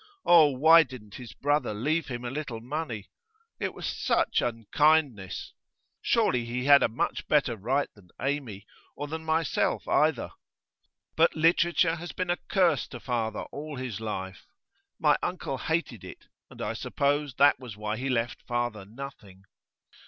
Oh, why didn't his brother leave him a little money? It was such unkindness! Surely he had a much better right than Amy, or than myself either. But literature has been a curse to father all his life. My uncle hated it, and I suppose that was why he left father nothing.